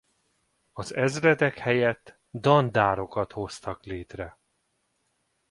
Az ezredek helyett dandárokat hoztak létre.